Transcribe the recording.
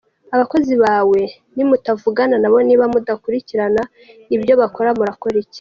Abakozi bawe nimutavugana nabo, niba mudakurikirana ibyo bakora mukora iki?”.